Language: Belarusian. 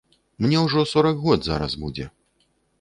Мне ўжо сорак год зараз будзе.